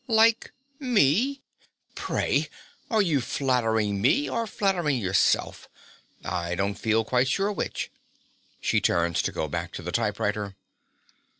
Like me! Pray, are you flattering me or flattering yourself? I don't feel quite sure which. (She turns to go back to the typewriter.)